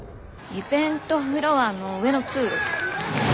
イベントフロアの上の通路。